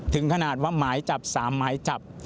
ถึงขนาดว่าหมายจับ๓หมายจับ